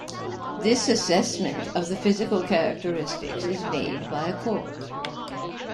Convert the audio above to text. This assessment of the physical characteristics is made by a court.